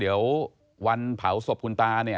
เดี๋ยววันเผาศพคุณตาเนี่ย